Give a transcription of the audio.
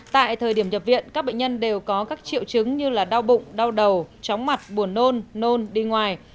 tại thời điểm nhập viện các bệnh nhân đều có các triệu chứng như đau bụng đau đầu chóng mặt buồn nôn nôn đi ngoài